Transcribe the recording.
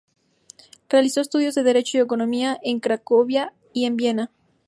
Realizó estudios de Derecho y Economía en Cracovia y en Viena.